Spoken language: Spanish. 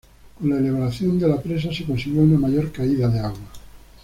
Con la elevación de la presa se consiguió una mayor caída de agua.